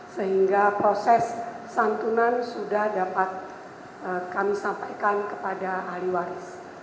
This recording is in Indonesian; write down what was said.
sehingga proses santunan sudah dapat kami sampaikan kepada ahli waris